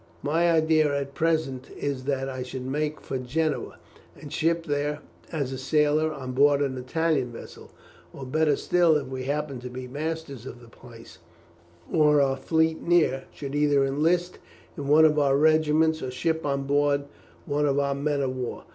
My idea at present is that I should make for Genoa and ship there as a sailor on board an Italian vessel, or, better still, if we happen to be masters of the place, or our fleet near, should either enlist in one of our regiments, or ship on board one of our men of war.